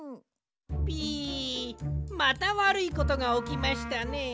ピまたわるいことがおきましたね。